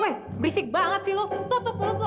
weh berisik banget sih lo tutup mulut lo